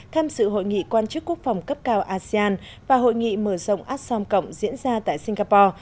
tham dự hội nghị quan chức quốc phòng cấp cao asean và hội nghị mở rộng assom cộng diễn ra tại singapore